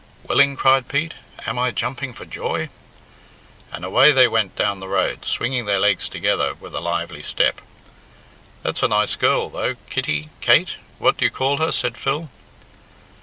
"Willing!" cried Pete. "Am I jumping for joy?" And away they went down the road, swinging their legs together with a lively step. "That's a nice girl, though Kitty, Kate, what do you call her?" said Phil.